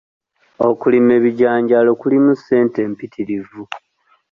Okulima ebijanjaalo kulimu ssente mpitirivu.